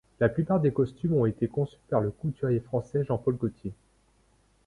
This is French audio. La plupart des costumes ont été conçus par le couturier français Jean-Paul Gaultier.